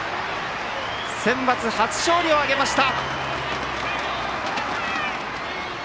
センバツ初勝利を挙げました！